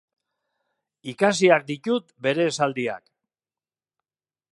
Ikasiak ditut bere esaldiak.